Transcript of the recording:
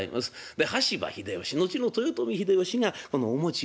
で羽柴秀吉後の豊臣秀吉がこのお餅をこねた。